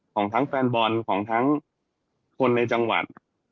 ของทั้งแฟนบอลของทั้งคนในจังหวัด